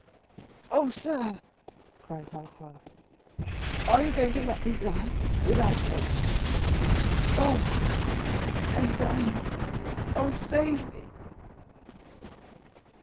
40114m "Oh, sir," cried Barrois, "are you going to let me die without help? Oh, I am dying! Oh, save me!"